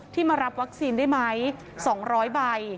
ที่มารับวัคซีนได้ไหมสองร้อยใบ